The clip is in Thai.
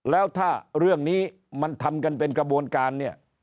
แล้วถ้าเรื่องนี้มันทำกันเป็นกระบวนการเนี่ย